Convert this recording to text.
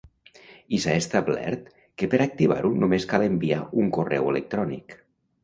I s’ha establert que per activar-ho només cal enviar un correu electrònic.